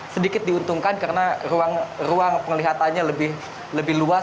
sedikit diuntungkan karena ruang penglihatannya lebih luas